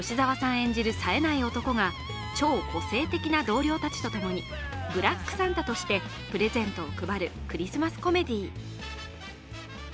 演じるさえない男が超個性的な同僚たちとともにブラックサンタとしてプレゼントを配るクリスマスコメディー。